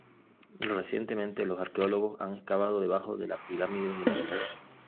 Recientemente, los arqueólogos han excavado debajo de la pirámide de la Luna.